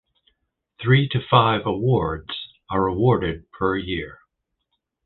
Three to five awards are awarded per year.